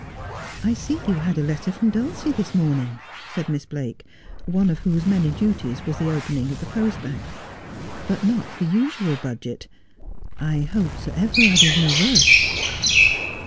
' I see you had a letter from Dulcie this morning,' said Miss Blake, one of whose many duties was the opening of the post bag, ' but not the usual budget. I hope Sir Everard is no worse.'